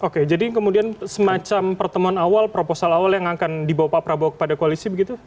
oke jadi kemudian semacam pertemuan awal proposal awal yang akan dibawa pak prabowo kepada koalisi begitu